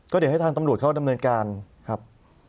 เดี๋ยวให้ทางตำรวจเขาดำเนินการครับ